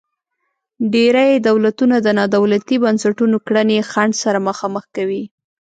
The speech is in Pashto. ډیری دولتونه د نا دولتي بنسټونو کړنې خنډ سره مخامخ کوي.